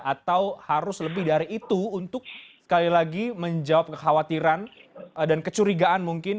atau harus lebih dari itu untuk sekali lagi menjawab kekhawatiran dan kecurigaan mungkin